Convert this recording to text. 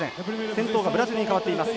先頭がブラジルに変わっています。